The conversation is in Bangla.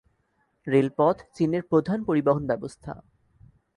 রেলপথ চীনের প্রধান পরিবহন ব্যবস্থা।